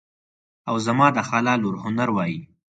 او زما د خاله لور هنر وایي.